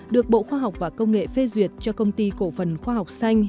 được bộ khoa học và công nghệ phê duyệt cho công ty cổ phần khoa học xanh